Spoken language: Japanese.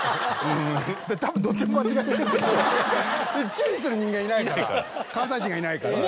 注意する人間いないから関西人がいないからね。